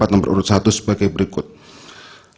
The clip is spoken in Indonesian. nomor urut satu sebagai berikut